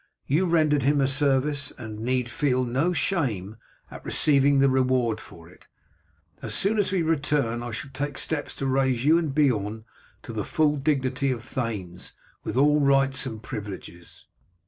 You rendered him a service, and need feel no shame at receiving the reward for it. As soon as we return I shall take steps to raise you and Beorn to the full dignity of thanes, with all rights and privileges.